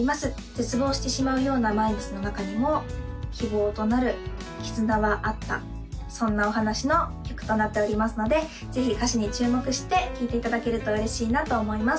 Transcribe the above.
絶望してしまうような毎日の中にも希望となる絆はあったそんなお話の曲となっておりますのでぜひ歌詞に注目して聴いていただけると嬉しいなと思います